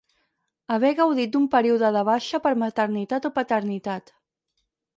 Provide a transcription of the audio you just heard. Haver gaudit d'un període de baixa per maternitat o paternitat.